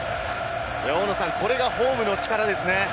これがホームの力ですね。